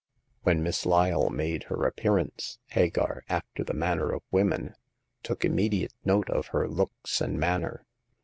When Miss Lyle made her appearance, Hagar, after the manner of women, took immediate note of her looks and manner.